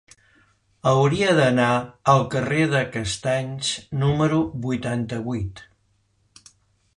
Hauria d'anar al carrer de Castanys número vuitanta-vuit.